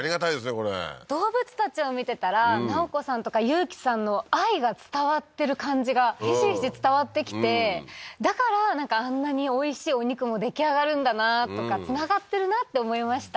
これ動物たちを見てたら奈緒子さんとか雄喜さんの愛が伝わってる感じがひしひし伝わってきてだからあんなにおいしいお肉も出来上がるんだなとかつながってるなって思いました